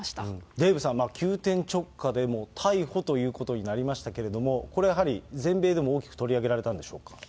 デーブさん、急転直下で逮捕ということになりましたけれども、これはやはり全米でも大きく取り上げられたんでしょうか。